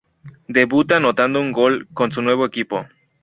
Debuta anotando un gol con su nuevo equipo.